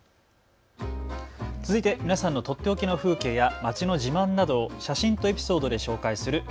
続いて皆さんのとっておきの風景や街の自慢などを写真とエピソードで紹介する＃